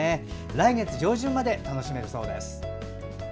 来月上旬まで楽しめるそうです。